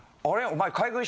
お前。